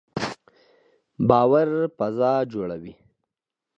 باور فضا جوړوي